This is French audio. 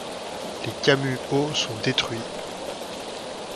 Les Camus hauts sont détruits.